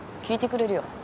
聞いてくれるよ